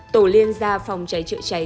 tổ liên gia phòng cháy trợ cháy